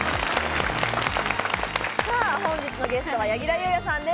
本日のゲストは柳楽優弥さんです。